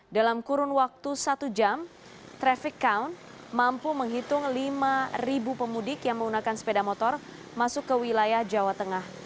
dalam kurun waktu satu jam traffic count mampu menghitung lima pemudik yang menggunakan sepeda motor masuk ke wilayah jawa tengah